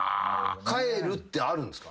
帰るってあるんすか？